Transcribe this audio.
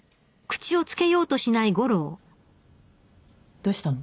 どうしたの？